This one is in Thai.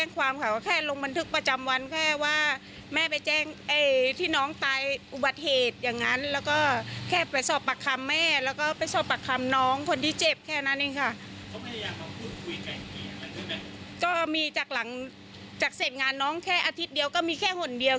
ก็มีจากหลังจากเสร็จงานน้องแค่อาทิตย์เดียวก็มีแค่ห่นเดียว